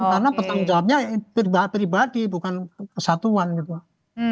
karena pertanggung jawabnya pribadi bukan kesatuan gitu